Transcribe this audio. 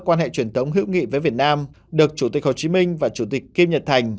quan hệ truyền thống hữu nghị với việt nam được chủ tịch hồ chí minh và chủ tịch kim nhật thành